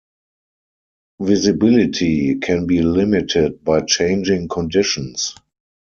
Visibility can be limited by changing conditions.